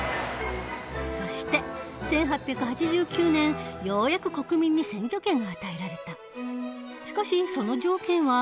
そして１８８９年ようやく国民に選挙権が与えられた。